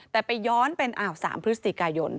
แต่ไปย้อนเป็น๓พฤศจิกายน